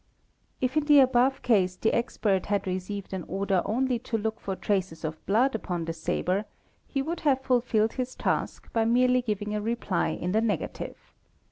If in _ the above case the expert had received an order only to look for traces of blood upon the sabre, he would have fulfilled his task by merely giving a reply in the negative.